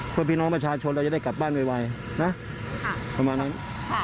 เพื่อพี่น้องประชาชนเราจะได้กลับบ้านไวนะประมาณนั้น